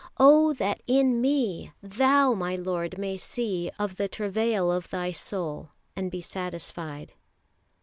Oh that in me Thou, my Lord, may see Of the travail of Thy soul, And be satisfied.